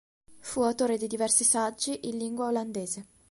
Fu autore di diversi saggi in lingua olandese.